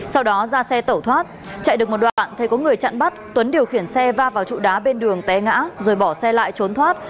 sau đó ra xe tẩu thoát chạy được một đoạn thấy có người chặn bắt tuấn điều khiển xe va vào trụ đá bên đường té ngã rồi bỏ xe lại trốn thoát